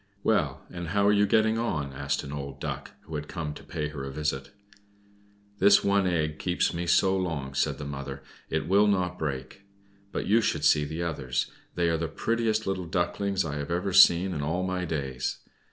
"Well, and how are you getting on?" asked an old Duck, who had come to pay her a visit. "This one egg keeps me so long," said the mother. "It will not break. But you should see the others! They are the prettiest little Ducklings I have seen in all my days.